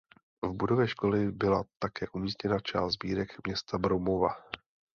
V budově školy byla také umístěna část sbírek města Broumova.